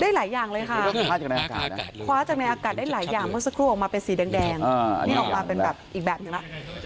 หลายอย่างเลยค่ะคว้าจากในอากาศได้หลายอย่างเมื่อสักครู่ออกมาเป็นสีแดงนี่ออกมาเป็นแบบอีกแบบหนึ่งแล้ว